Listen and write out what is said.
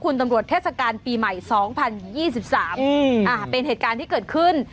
คุณตำรวจเทศกาลปีใหม่๒๐๒๓เป็นเหตุการณ์ที่เกิดขึ้น